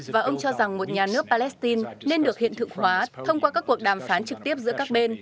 và ông cho rằng một nhà nước palestine nên được hiện thực hóa thông qua các cuộc đàm phán trực tiếp giữa các bên